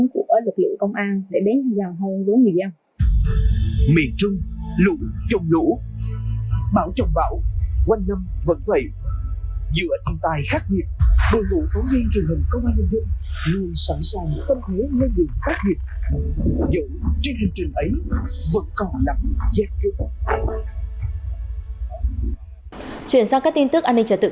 cũng có một tình huống khi lật